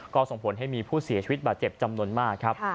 ก็ส่งผลให้มีผู้เสียชีวิตบาดเจ็บจำนวนมากครับ